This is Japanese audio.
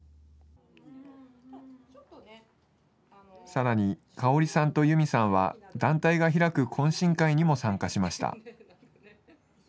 さらに香さんとユミさんは、団体が開く懇親会にも参加しました。